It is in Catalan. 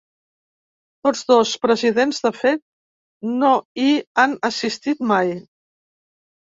Tots dos presidents, de fet, no hi han assistit mai.